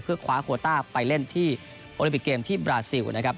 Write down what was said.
คว้าโคต้าไปเล่นที่โอลิปิกเกมที่บราซิลนะครับ